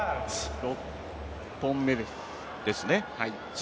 ６本目です。